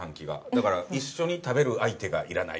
だから、一緒に食べる相手がいらない。